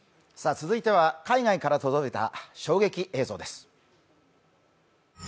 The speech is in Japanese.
続いては海外から届いた衝撃映像です。